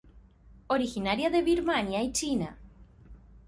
Originaria de Birmania y China.